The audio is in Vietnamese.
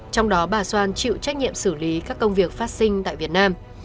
trong đó bà xoan chịu trách nhiệm xử lý các công việc phát sinh tại việt nam